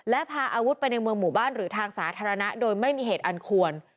และพาอาวุธไปในเมืองหมู่บ้านหรือทางสาธารณะโดยไม่มีเหตุอันควร